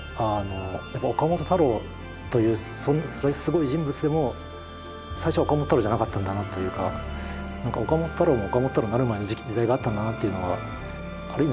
やっぱ岡本太郎というすごい人物でも最初は岡本太郎じゃなかったんだなというか岡本太郎が岡本太郎になるまでの時代があったんだなっていうのはある意味